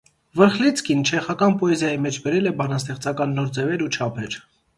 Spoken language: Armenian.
Վրխլիցկին չեխական պոեզիայի մեջ բերել է բանաստեղծական նոր ձևեր ու չափեր։